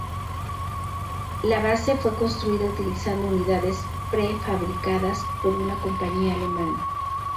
La base fue construida utilizando unidades prefabricadas por una compañía alemana.